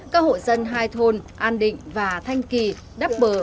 các hộ dân hai thôn an định và thanh kỳ đắp bờ